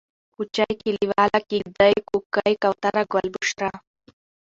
کوچۍ ، کليواله ، کيږدۍ ، کوکۍ ، کوتره ، گلبشره